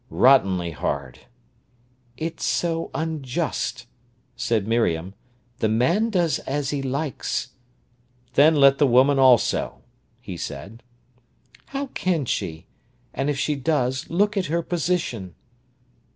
"Rottenly hard!" "It's so unjust!" said Miriam. "The man does as he likes—" "Then let the woman also," he said. "How can she? And if she does, look at her position!"